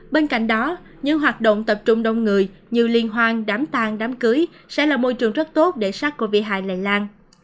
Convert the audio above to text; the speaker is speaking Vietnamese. bên cạnh đó những hoạt động tập trung đông người như liên hoan đám tang đám cưới sẽ là môi trường rất tốt để sát covid một mươi chín lây lan